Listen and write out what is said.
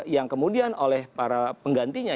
yang kemudian oleh para penggantinya